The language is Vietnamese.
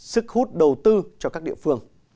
sức hút đầu tư cho các địa phương